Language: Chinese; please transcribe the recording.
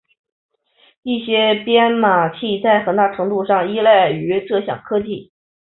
一些编码器在很大程度上依赖于这项技术。